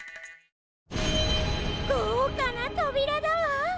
ごうかなとびらだわ！